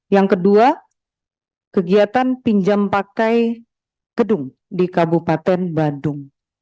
yang kedua kegiatan pinjam pakai gedung di kabupaten badung